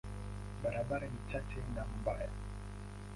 Barabara ni chache na mbaya.